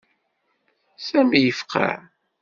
Sami yefqeɛ.